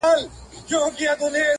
راښکېل سوی په تلک کې د ښکاري يم